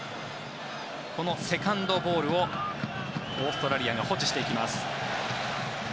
このセカンドボールをオーストラリアが保持していきます。